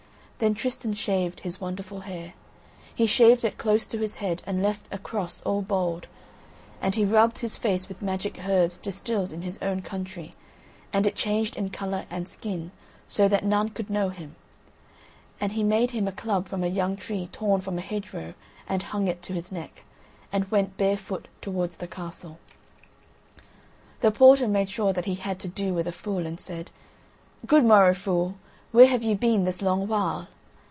Then Tristan shaved his wonderful hair; he shaved it close to his head and left a cross all bald, and he rubbed his face with magic herbs distilled in his own country, and it changed in colour and skin so that none could know him, and he made him a club from a young tree torn from a hedge row and hung it to his neck, and went bare foot towards the castle. The porter made sure that he had to do with a fool and said: "Good morrow, fool, where have you been this long while?"